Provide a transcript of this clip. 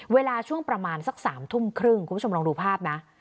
เวลาช่วงประมาณสัก๓ทุ่มครึ่งคุณผู้ชมลองดูภาพนะ